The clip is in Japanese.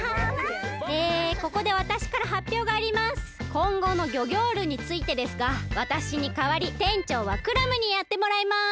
こんごのギョギョールについてですがわたしにかわりてんちょうはクラムにやってもらいます！